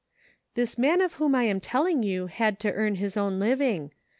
" This man of whom I am telling ycu had to earn his own living.